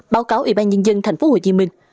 báo cáo ủy ban nhân dân tp hcm